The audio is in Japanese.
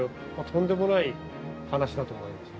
とんでもない話だと思います。